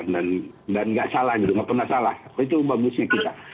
dan nggak salah nggak pernah salah itu bagusnya kita